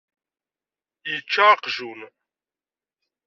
Yečča aqjun.